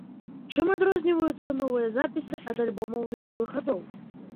Чым адрозніваюцца новыя запісы ад альбомаў мінулых гадоў?